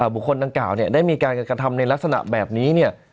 บุคคลดังกล่าวเนี่ยได้มีการกระทำในลักษณะแบบนี้เนี่ย